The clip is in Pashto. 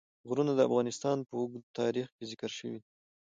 غرونه د افغانستان په اوږده تاریخ کې ذکر شوی دی.